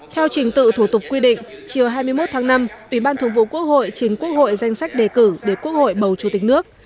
theo trình tự thủ tục quy định chiều hai mươi một tháng năm ubth chính quốc hội danh sách đề cử để quốc hội bầu chủ tịch nước